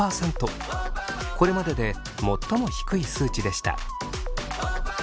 これまでで最も低い数値でした。